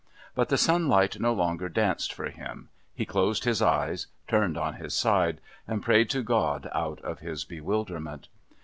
But the sunlight no longer danced for him, he closed his eyes, turned on his side, and prayed to God out of his bewilderment.